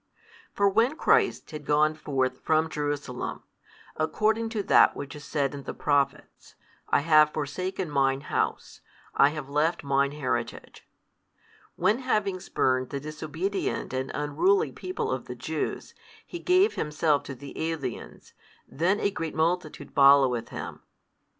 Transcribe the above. For when Christ had gone forth from Jerusalem, according to that which is said in the Prophets; I have forsaken Mine House, I have left Mine heritage; when having spurned the disobedient and unruly people of the Jews, He gave Himself to the aliens, then a great multitude followeth Him.